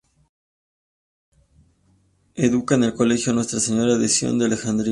Educada en el Colegio Nuestra Señora de Sion de Alejandría.